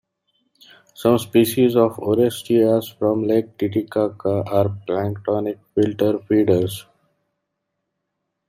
Some species of "Orestias" from Lake Titicaca are planktonic filter feeders.